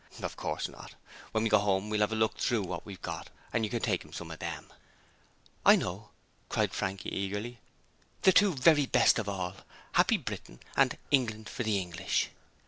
'Of course not; when we get home we'll have a look through what we've got and you can take him some of them.' 'I know!' cried Frankie eagerly. 'The two very best of all. Happy Britain and England for the English.'